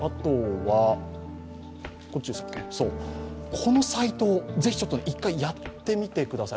このサイト、ぜひ一回やってみてください。